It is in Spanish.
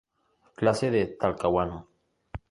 Clase de Talcahuano.